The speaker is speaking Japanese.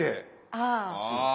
ああ。